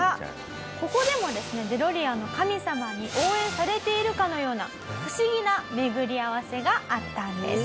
ここでもですねデロリアンの神様に応援されているかのような不思議な巡り合わせがあったんです。